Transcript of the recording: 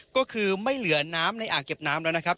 ก็คือไม่เหลือน้ำในอ่างเก็บน้ำแล้วนะครับ